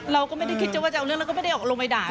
เราก็ไม่ได้คิดจะว่าจะเอาเรื่องแล้วก็ไม่ได้ออกลงไปด่า